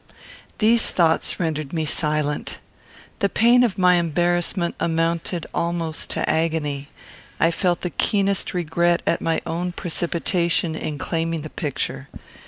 These thoughts rendered me silent. The pain of my embarrassment amounted almost to agony. I felt the keenest regret at my own precipitation in claiming the picture.